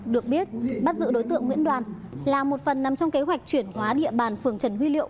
được biết bắt giữ đối tượng nguyễn đoàn là một phần nằm trong kế hoạch chuyển hóa địa bàn phường trần huy liệu